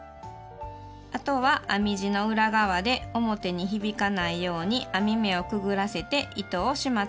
あとは編み地の裏側で表に響かないように編み目をくぐらせて糸を始末します。